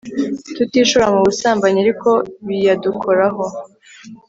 tutishora mu busambanyi ariko biadukoraho